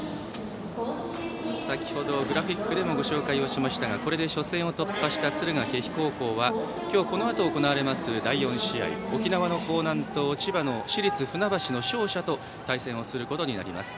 先程グラフィックでもご紹介しましたがこれで初戦を突破した敦賀気比高校は今日このあと行われる第４試合沖縄の興南と千葉の市立船橋の勝者と対戦をすることになります。